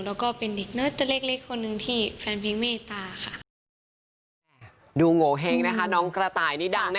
แล้วก็เป็นเล็กคนหนึ่งที่แฟนเพลงเมตตาค่ะ